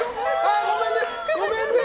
ごめんね。